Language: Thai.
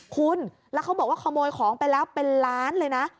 คุณแล้วเขาบอกว่าขโมยของไปแล้วเป็นล้านเลยนะ